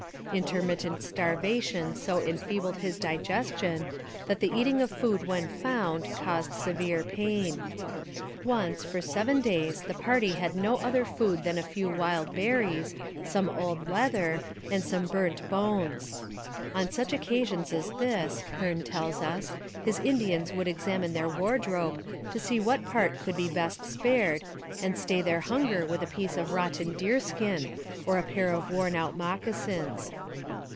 Intermittent starvation so enfeebled his digestion that the eating of food when found caused severe pain. Once for seven days the party had no other food than a few wild berries, some old leather, and some burnt bones. On such occasions as this, Hearne tells us, his Indians would examine their wardrobe to see what part could be best spared and stay their hunger with a piece of rotten deer skin or a pair of worn out moccasins.